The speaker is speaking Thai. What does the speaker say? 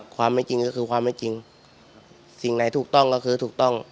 ความไม่จริงก็คือความไม่จริงสิ่งไหนถูกต้องก็คือถูกต้อง